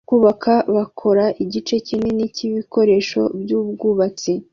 bubaka bakora igice kinini cyibikoresho byubwubatsi